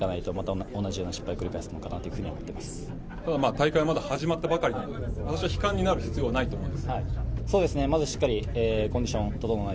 大会まだ始まったばかりなので悲観になる必要はないと思う。